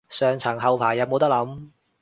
上層後排有冇得諗